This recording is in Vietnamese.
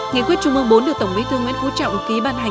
nghị quyết trung ương bốn được tổng bí thư nguyễn phú trọng ký ban hành